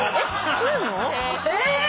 吸うの？え！？